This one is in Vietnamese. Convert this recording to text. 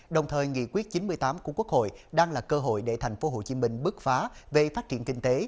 đồng thời nghị quyết chín mươi tám của quốc hội đang là cơ hội để tp hcm bước phá về phát triển kinh tế